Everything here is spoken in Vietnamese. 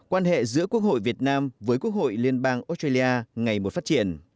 quan hệ giữa quốc hội việt nam với quốc hội liên bang australia ngày một phát triển